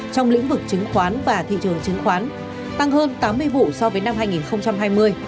trong lĩnh vực chứng khoán và thị trường chứng khoán tăng hơn tám mươi vụ so với năm hai nghìn hai mươi